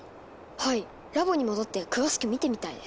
はいラボに戻って詳しくみてみたいです。